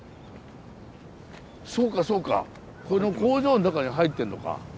そうかそうかこの工場の中に入ってんのか。